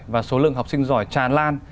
và số lượng học sinh giỏi tràn lan